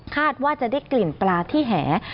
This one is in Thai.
ว่าจะได้กลิ่นปลาที่แห